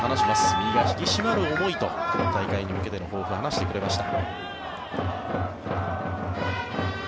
身が引き締まる思いと大会に向けての抱負を話してくれました。